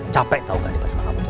capek tau gak di pasangan kamu tuh